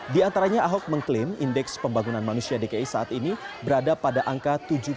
di antaranya ahok mengklaim indeks pembangunan manusia dki saat ini berada pada angka tujuh puluh delapan sembilan puluh sembilan